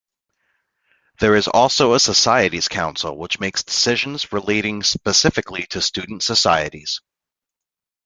There is also a Societies Council which makes decisions relating specifically to student societies.